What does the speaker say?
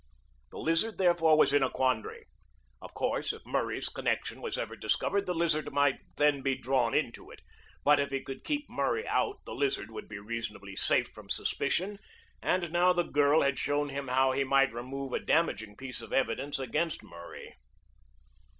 The Lizard therefore was in a quandary. Of course, if Murray's connection was ever discovered the Lizard might then be drawn into it, but if he could keep Murray out the Lizard would be reasonably safe from suspicion, and now the girl had shown him how he might remove a damaging piece of evidence against Murray.